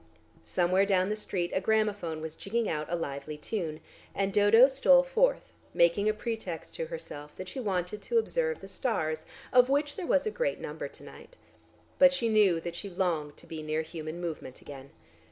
Somewhere down the street a gramophone was jigging out a lively tune, and Dodo stole forth, making a pretext to herself that she wanted to observe the stars of which there was a great number to night, but she knew that she longed to be near human movement again.